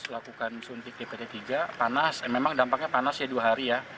lakukan suntik dpt tiga panas memang dampaknya panas ya dua hari ya